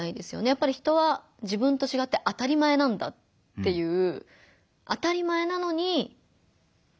やっぱり人は自分とちがって当たり前なんだっていう当たり前なのにちがうな。